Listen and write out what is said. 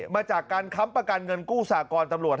มาจากการค้ำประกันเงินกู้สากรตำรวจ